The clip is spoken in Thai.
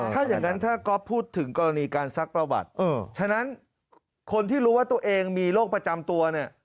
ถ้าอย่างนั้นถ้าก๊อฟพูดถึงกรณีการซักประวัติฉะนั้นคนที่รู้ว่าตัวเองมีโรคประจำตัวเนี่ย